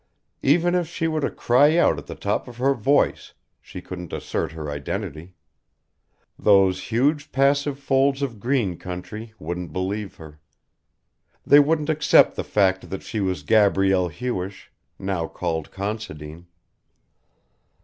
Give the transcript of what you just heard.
Even if she were to cry out at the top of her voice she couldn't assert her identity; those huge passive folds of green country wouldn't believe her. They wouldn't accept the fact that she was Gabrielle Hewish, now called Considine.